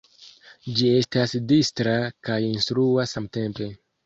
Ĝi estas distra kaj instrua samtempe.